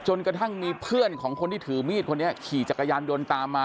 กระทั่งมีเพื่อนของคนที่ถือมีดคนนี้ขี่จักรยานยนต์ตามมา